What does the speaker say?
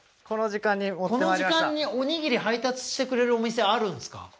この時間におにぎり配達してくれるお店あるんですか？